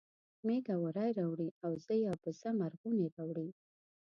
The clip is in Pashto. مېږه وری راوړي اوزه یا بزه مرغونی راوړي